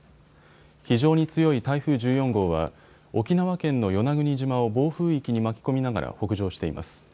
非常に強い台風１４号は沖縄県の与那国島を暴風域に巻き込みながら北上しています。